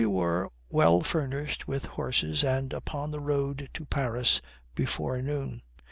We were well furnished with horses and upon the road to Paris before noon.